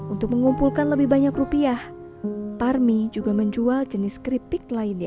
untuk mengumpulkan lebih banyak rupiah parmi juga menjual jenis keripik lainnya